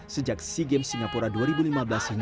sejak sea games singapura dua ribu lima belas hingga sekarang